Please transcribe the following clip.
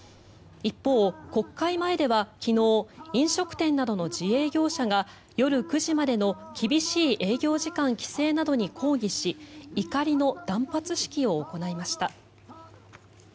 一方、国会前では昨日飲食店などの自営業者が夜９時までの厳しい営業時間規制などに抗議し怒りの断髪式を行いました。